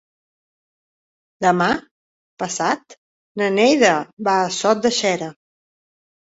Demà passat na Neida va a Sot de Xera.